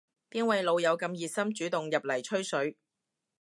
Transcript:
邊位老友咁熱心主動入嚟吹水